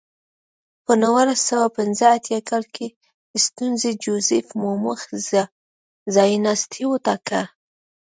په نولس سوه پنځه اتیا کال کې سټیونز جوزیف مومو ځایناستی وټاکه.